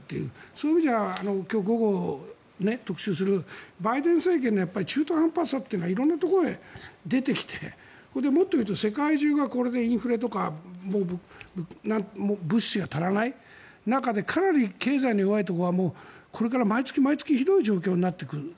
そういう意味じゃ今日の午後に特集する、バイデン政権の中途半端さというのが色んなところで出てきてもっと言うと世界中がこれでインフレとか物資が足らない中でかなり経済の弱いところはこれから毎月毎月ひどい状況になってくる。